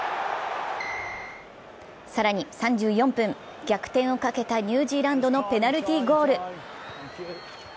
更に３４分、逆転をかけたニュージーランドのペナルティーゴール。